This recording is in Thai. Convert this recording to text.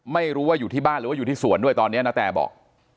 ไม่รู้ว่าอยู่ที่บ้านหรือว่าอยู่ที่สวนด้วยตอนนี้ณแตบอก